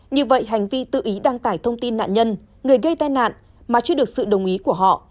như vậy hành vi tự ý đăng tải thông tin nạn nhân người gây tai nạn mà chưa được sự đồng ý của họ